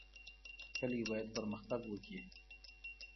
کلي باید پرمختګ وکړي